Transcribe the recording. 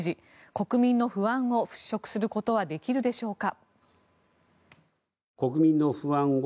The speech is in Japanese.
国民の不安を払しょくすることはできるでしょうか。